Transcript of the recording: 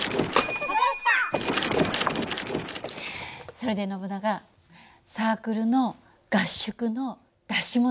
それでノブナガサークルの合宿の出し物